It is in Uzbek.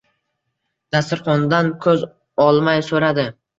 Dasturxondan ko‘z olmay so‘radi: